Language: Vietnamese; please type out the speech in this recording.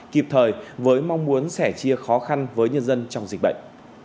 kịp thời với mong muốn sẻ chia khó khăn với nhân dân trong dịch bệnh